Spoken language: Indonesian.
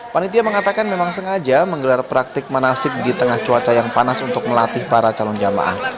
panitia mengatakan memang sengaja menggelar praktik manasik di tengah cuaca yang panas untuk melatih para calon jamaah